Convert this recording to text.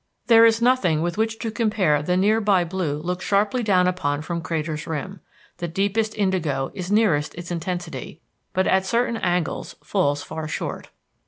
There is nothing with which to compare the near by blue looked sharply down upon from Crater's rim. The deepest indigo is nearest its intensity, but at certain angles falls far short.